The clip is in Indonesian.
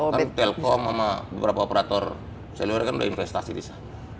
tapi kan telkom sama beberapa operator seluler kan udah investasi bisa